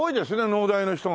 農大の人がね